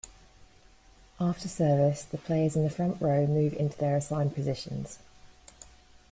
After service, the players in the front row move into their assigned positions.